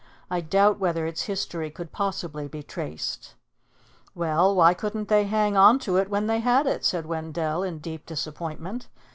I doubt whether its history could possibly be traced." "Well, why couldn't they hang on to it when they had it?" said Wendell in deep disappointment.